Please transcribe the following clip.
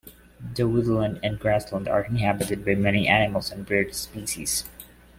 The woodland and grassland are inhabited by many animal and bird species.